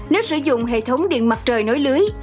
nếu sử dụng hệ thống điện mặt trời nối lưới